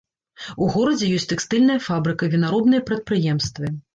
У горадзе ёсць тэкстыльная фабрыка і вінаробныя прадпрыемствы.